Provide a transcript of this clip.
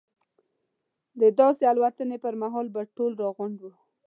د داسې الوتنې پر مهال به ټول راغونډ وو.